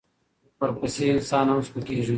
ورپسې انسان هم سپکېږي.